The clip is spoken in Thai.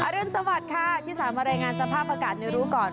รุนสวัสดิ์ค่ะที่สามารถรายงานสภาพอากาศในรู้ก่อน